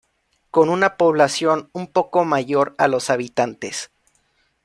Con una población un poco mayor a los habitantes.